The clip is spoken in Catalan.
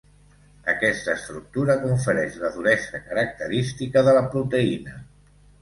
Aquesta estructura confereix la duresa característica de la proteïna.